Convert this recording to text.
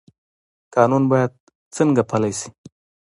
قانون باید څنګه پلی شي؟